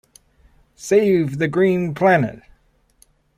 Save the Green Planet!